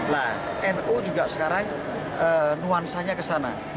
nah nu juga sekarang nuansanya ke sana